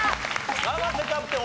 生瀬キャプテン